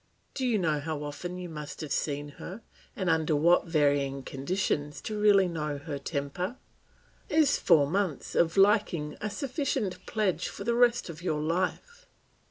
Do you know how often you must have seen her and under what varying conditions to really know her temper? Is four months of liking a sufficient pledge for the rest of your life?